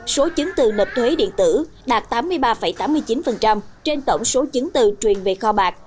số chứng từ nộp thuế điện tử đạt tám mươi ba tám mươi chín trên tổng số chứng từ truyền về kho bạc